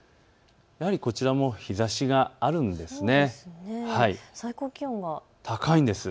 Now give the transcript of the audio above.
やはりこちらも日ざしはあるんです。